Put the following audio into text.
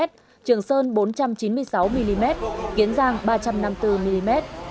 trường sơn bốn trăm chín mươi sáu mm kiến giang ba trăm năm mươi bốn mm